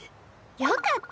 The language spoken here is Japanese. よかった。